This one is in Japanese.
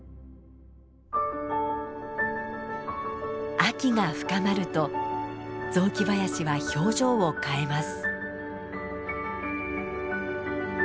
秋が深まると雑木林は表情を変えます。